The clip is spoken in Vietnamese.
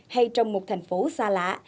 hay trong một thành phố xa lạ